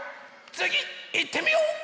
つぎいってみよう！